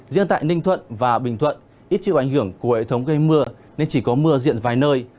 riêng tại ninh thuận và bình thuận ít chịu ảnh hưởng của hệ thống gây mưa nên chỉ có mưa diện vài nơi